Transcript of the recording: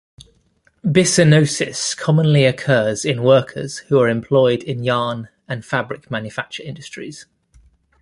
Byssinosis commonly occurs in workers who are employed in yarn and fabric manufacture industries.